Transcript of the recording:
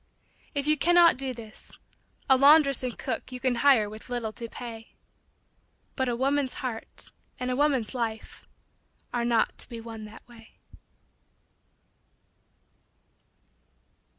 If you cannot do this a laundress and cook You can hire, with little to pay, But a woman's he, art and a woman's life Are not to be won that way.